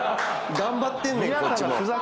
頑張ってんねんこっちも。